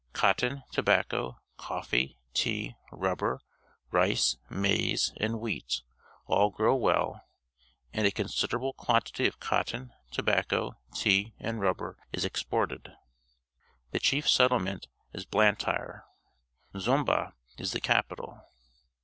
Cotton, tobacco, coffee, tea, rubber, rice, maize, and wheat all grow well, and a considerable quantity of cotton. tobacco, tea, and rubber is exported. The chief settlement is Blantyre. Zomba is the capital.